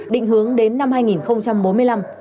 định hướng đến năm hai nghìn bốn mươi năm